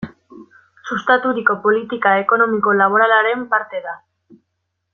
Sustaturiko politika ekonomiko-laboralaren parte da.